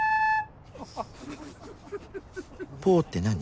「ポ」って何？